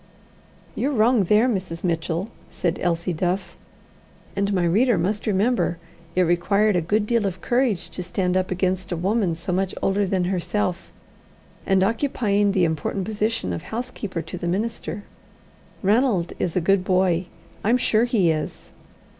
"You're wrong there, Mrs. Mitchell," said Elsie Duff; and my reader must remember it required a good deal of courage to stand up against a woman so much older than herself, and occupying the important position of housekeeper to the minister. "Ranald is a good boy. I'm sure he is."